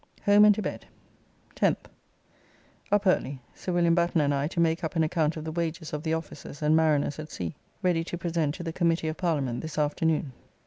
Home and to bed. 10th. Up early. Sir Wm. Batten and I to make up an account of the wages of the officers and mariners at sea, ready to present to the Committee of Parliament this afternoon.